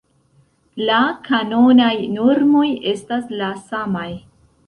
La kanonaj normoj estas la samaj.